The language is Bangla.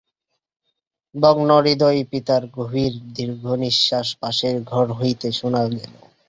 ভগ্নহৃদয় পিতার গভীর দীর্ঘনিশ্বাস পাশের ঘর হইতে শুনা গেল।